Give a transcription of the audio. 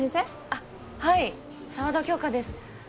あっはい沢田杏花です